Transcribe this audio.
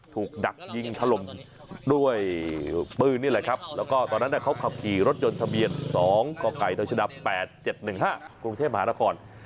ดักยิงถล่มด้วยปืนนี่แหละครับแล้วก็ตอนนั้นเขาขับขี่รถยนต์ทะเบียน๒กกตชด๘๗๑๕กรุงเทพมหานคร